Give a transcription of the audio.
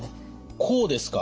こうですか？